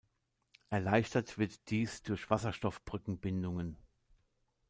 Erleichtert wird dies durch Wasserstoffbrückenbindungen.